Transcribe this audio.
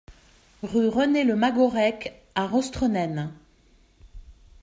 Rue René Le Magorec à Rostrenen